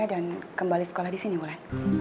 dan kembali sekolah disini wulan